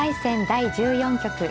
第１４局。